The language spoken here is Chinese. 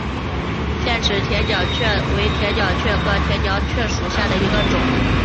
腺齿铁角蕨为铁角蕨科铁角蕨属下的一个种。